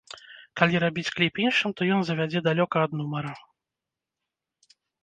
Калі рабіць кліп іншым, то ён завядзе далёка ад нумара.